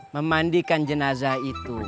memandikan jenazah itu